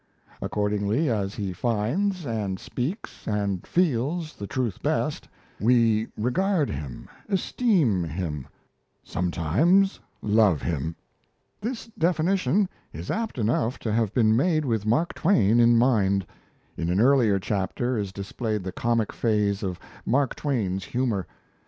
Accordingly, as he finds, and speaks, and feels the truth best, we regard him, esteem him sometimes love him." This definition is apt enough to have been made with Mark Twain in mind. In an earlier chapter, is displayed the comic phase of Mark Twain's humour.